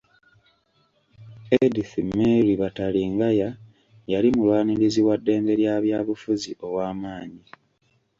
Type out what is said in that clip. Edith Mary Bataringaya yali mulwanirizi wa ddembe lya byabufuzi ow'amaanyi